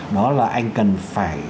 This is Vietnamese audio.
đó là anh cần phải